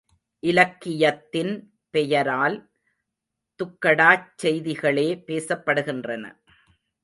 இலக்கியத்தின் பெயரால் துக்கடாச் செய்திகளே பேசப்படுகின்றன.